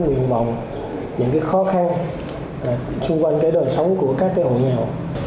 nguyện vọng những khó khăn xung quanh đời sống của các hộ nghèo